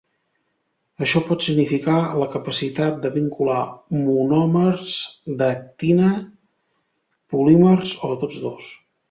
Això pot significar la capacitat de vincular monòmers d"actina, polímers o tots dos.